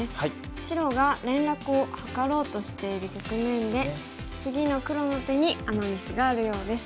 白が連絡を図ろうとしている局面で次の黒の手にアマ・ミスがあるようです。